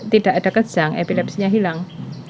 tidak ada kejang epilepsinya hilang